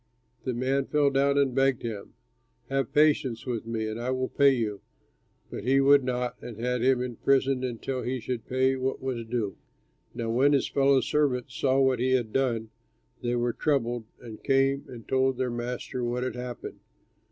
The man fell down and begged him, 'Have patience with me and I will pay you.' But he would not and had him imprisoned until he should pay what was due. "Now when his fellow servants saw what had been done, they were troubled and came and told their master what had happened.